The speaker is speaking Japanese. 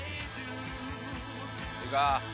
いいか。